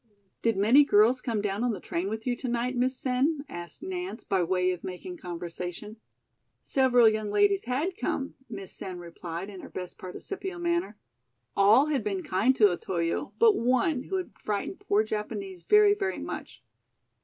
"Did many girls come down on the train with you to night, Miss Sen?" asked Nance, by way of making conversation. Several young ladies had come, Miss Sen replied in her best participial manner. All had been kind to Otoyo but one, who had frightened poor Japanese very, very much.